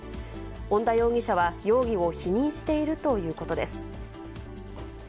恩田容疑者は容疑を否認しているということです。